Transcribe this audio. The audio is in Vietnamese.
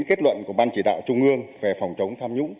kết luận của ban chỉ đạo trung ương về phòng chống tham nhũng